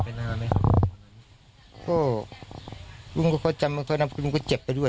เพราะว่าคุณลุงปีก้อนไปใกล้